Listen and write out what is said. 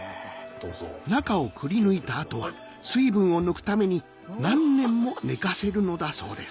中をくりぬいた後は水分を抜くために何年も寝かせるのだそうです